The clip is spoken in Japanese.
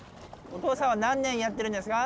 おとうさんは何年やってるんですか？